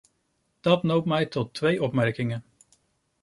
Dat noopt mij tot twee opmerkingen.